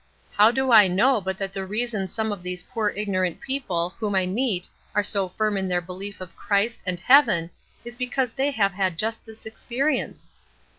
How do I know but that the reason some of these poor ignorant people whom I meet are so firm in their belief of Christ and heaven is because they have had just this experience?